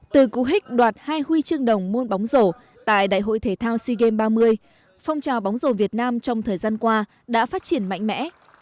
từ cú hích đoạt hai huy chương đồng môn bóng rổ tại đại hội thể thao sea games ba mươi phong trào bóng rổ việt nam trong thời gian qua đã phát triển mạnh mẽ